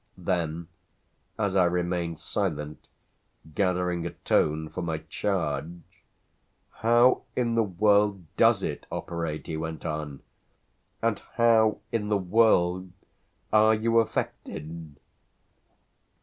Then as I remained silent, gathering a tone for my charge, "How in the world does it operate?" he went on; "and how in the world are you affected?"